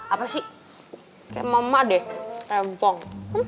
apa sih kayak mama deh tempong